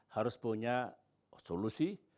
harus punya solusi